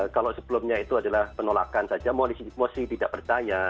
kalau sebelumnya itu adalah penolakan saja masih tidak bertanya